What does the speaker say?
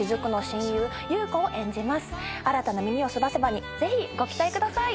新たな『耳をすませば』にぜひご期待ください。